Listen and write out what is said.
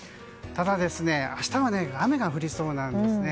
ただ、明日は雨が降りそうなんですね。